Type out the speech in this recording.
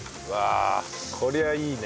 こりゃいいね。